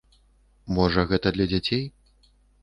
Можа, гэта для дзяцей?